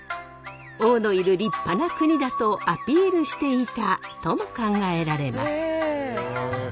王のいる立派な国だとアピールしていたとも考えられます。